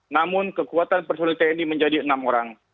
namun kekuatan personil tni menjadi enam orang